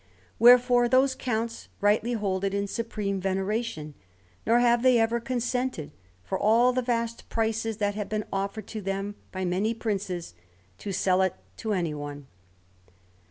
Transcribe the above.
Wherefore those Counts rightly hold it in supreme veneration, nor have they ever consented, for all the vast prices that have been offered to them by many Princes, to sell it to anyone.